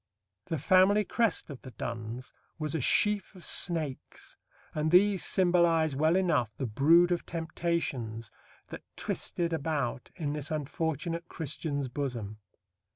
The family crest of the Donnes was a sheaf of snakes, and these symbolize well enough the brood of temptations that twisted about in this unfortunate Christian's bosom.